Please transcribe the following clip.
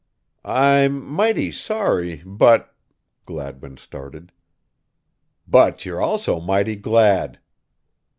"I'm mighty sorry, but" Gladwin started. "But you're also mighty glad."